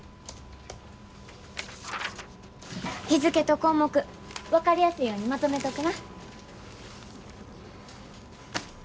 日付と項目分かりやすいようにまとめとくな。